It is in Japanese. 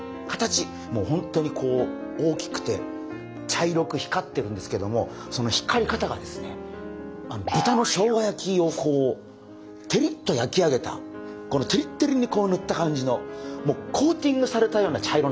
本当にこう大きくて茶色く光ってるんですけどもその光り方がですね豚の生姜焼きをこうてりっと焼き上げたてりてりにこうぬった感じのコーティングされたような茶色なんですよ。